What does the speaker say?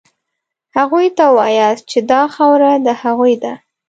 هغوی ته ووایاست چې دا خاوره د هغوی ده.